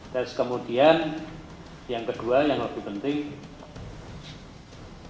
terus kemudian yang kedua yang lebih penting